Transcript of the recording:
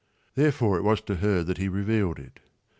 Therefore it was to her that he revealed it.